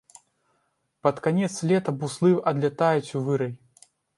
Пад канец лета буслы адлятаюць у вырай.